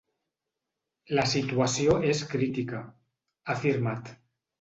La situació és crítica, ha afirmat.